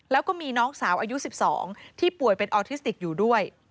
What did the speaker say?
แล้วก็มีน้องสาวอายุ๑๒ที่ป่วยเป็นออทิสติกอยู่ด้วย